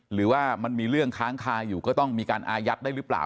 หรือว่ามันมีเรื่องค้างคาอยู่ก็ต้องมีการอายัดได้หรือเปล่า